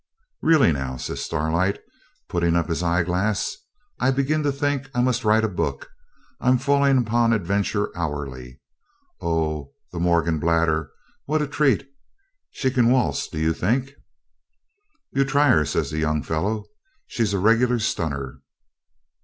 'Really, now?' says Starlight, putting up his eyeglass. 'I begin to think I must write a book. I'm falling upon adventures hourly. Oh, the "Morgen blatter". What a treat! Can she valse, do you think?' 'You try her,' says the young fellow. 'She's a regular stunner.'